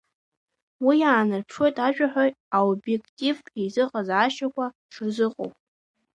Уи иаанарԥшуеит ажәаҳәаҩ аобиеқтивтә еизыҟазаашьақәа дшырзыҟоу.